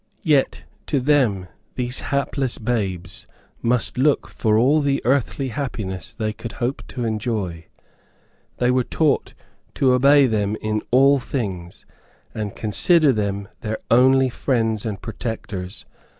Yet to them these hapless babes must look for all the earthly happiness they could hope to enjoy. They were taught to obey them in all things, and consider them their only friends and protectors.